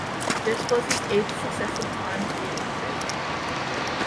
This was his eighth successive time to be elected.